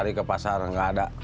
di mana si dikdik